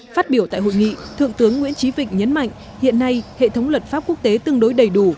phát biểu tại hội nghị thượng tướng nguyễn trí vịnh nhấn mạnh hiện nay hệ thống luật pháp quốc tế tương đối đầy đủ